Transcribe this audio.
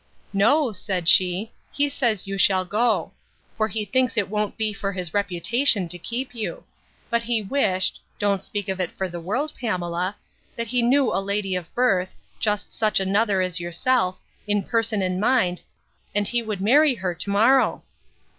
—No, said she, he says you shall go; for he thinks it won't be for his reputation to keep you: but he wished (don't speak of it for the world, Pamela,) that he knew a lady of birth, just such another as yourself, in person and mind, and he would marry her to morrow.